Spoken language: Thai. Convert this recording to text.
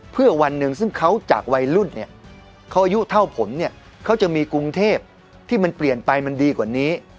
เพื่อวันนึงภาพเกียรติศูนย์อายุเท่าผลจะมีกรุงเทพฯที่มันเปลี่ยนไปมันดีกว่านี้